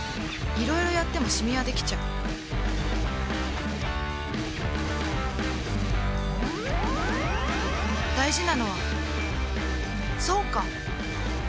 いろいろやってもシミはできちゃう大事なのはそうか！